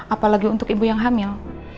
apalagi untuk ibu yang hamil